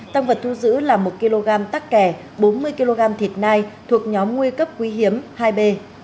tăng vật thu giữ là một kg tắc kè bốn mươi kg thịt nai thuộc nhóm nguy cấp quý hiếm hai b